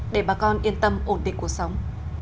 để bà con yên tâm ổn định cuộc sống